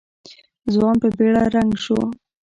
ځوان په بېړه رنګ شو.